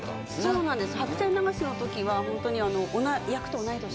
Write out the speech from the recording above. そうなんです。